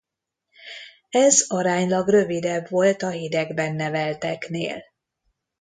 Ez aránylag rövidebb volt a hidegben nevelteknél.